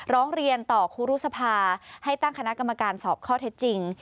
ร้องเรียนต่อครูรุษภาให้ตั้งคณะกรรมการสอบข้อเท็จจริง